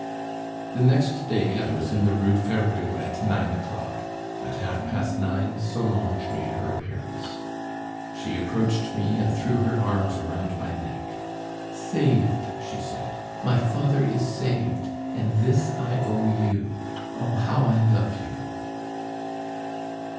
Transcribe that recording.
The next day I was in the Rue Ferou at nine o'clock. At half past nine Solange made her appearance. She approached me and threw her arms around my neck. "Saved!" she said; "my father is saved! And this I owe you. Oh, how I love you!"